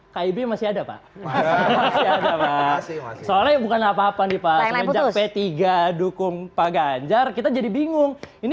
kaib masih ada pak soalnya bukan apa apa nih pak sejak p tiga dukung pak ganjar kita jadi bingung ini